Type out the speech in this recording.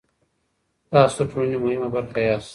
تاسو د ټولني مهمه برخه ياست.